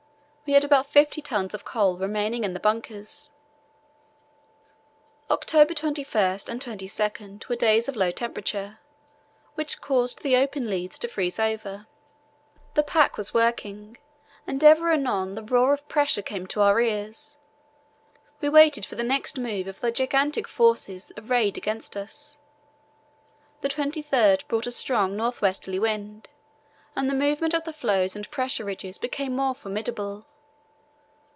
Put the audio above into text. We had about fifty tons of coal remaining in the bunkers. October 21 and 22 were days of low temperature, which caused the open leads to freeze over. The pack was working, and ever and anon the roar of pressure came to our ears. We waited for the next move of the gigantic forces arrayed against us. The 23rd brought a strong north westerly wind, and the movement of the floes and pressure ridges became more formidable.